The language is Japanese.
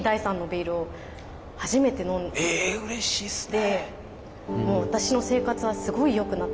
えうれしいですね。